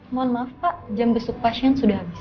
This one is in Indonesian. mohon maaf pak jam besuk pasien sudah habis